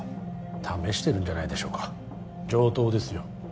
試してるんじゃないでしょうか上等ですよ